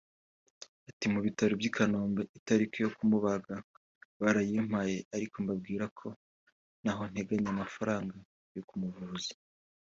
Ati “ Mu bitaro by’i Kanombe itariki yo kumubaga barayimpaye ariko mbabwira ko ntaho nteganya amafaranga yo kumuvuza